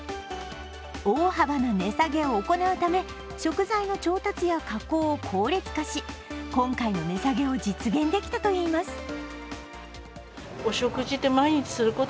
大幅な値下げを行うため、食材の調達や加工を効率化し、今回の値下げを実現できたといいます。